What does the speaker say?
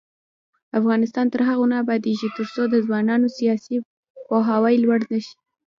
افغانستان تر هغو نه ابادیږي، ترڅو د ځوانانو سیاسي پوهاوی لوړ نشي.